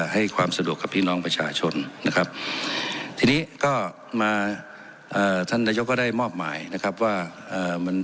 ให้ความสะดวกกับพี่น้องประชาชนนะครับทีนี้ก็มาเอ่อท่านนายกก็ได้มอบหมายนะครับว่าเอ่อมัน